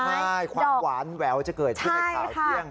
ใช่ความหวานแหววจะเกิดขึ้นในข่าวเที่ยง